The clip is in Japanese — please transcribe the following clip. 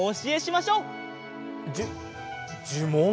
じゅじゅもん？